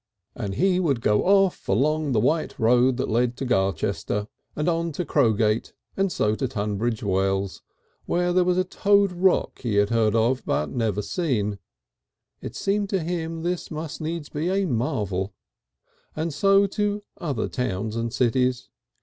And he would go off along the white road that led to Garchester, and on to Crogate and so to Tunbridge Wells, where there was a Toad Rock he had heard of, but never seen. (It seemed to him this must needs be a marvel.) And so to other towns and cities.